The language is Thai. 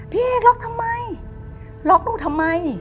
พี่เอกล็อกทำไมล็อกหนูทำไม